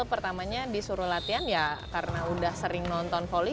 pertamanya disuruh latihan karena sudah sering nonton volley